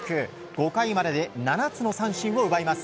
５回までで７つの三振を奪います。